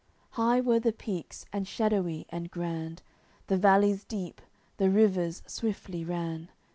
AOI. CXXXVIII High were the peaks and shadowy and grand, The valleys deep, the rivers swiftly ran.